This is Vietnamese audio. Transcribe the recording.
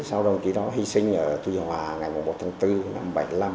sau đồng ký đó hy sinh ở tùy hòa ngày một tháng bốn năm một nghìn chín trăm bảy mươi năm